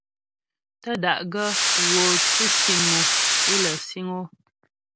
Tə́ da'gaə́ gho tʉsì mò é lə siŋ o.